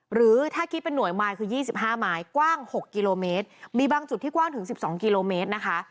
หรือถ้าคิดเป็นหน่วยไม้คือ๒๕ไม้กว้าง๖กิโลเมตรมีบางจุดที่กว้างถึง๑๒กิโลเมตรนะคะ